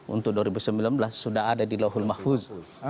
untuk dua ribu sembilan belas sudah ada di lohulmahfuz